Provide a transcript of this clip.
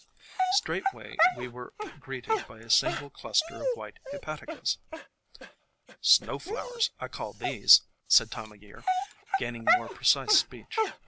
Straightway we were greeted by a single cluster of white Hepaticas. "Snow Flowers, I call these," said Time o' Year, gaining more precise speech.